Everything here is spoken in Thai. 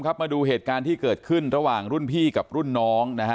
เรามาดูที่เกิดขึ้นระหว่างรุ่นพี่กับรุ่นน้อง